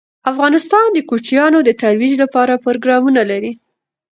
افغانستان د کوچیانو د ترویج لپاره پروګرامونه لري.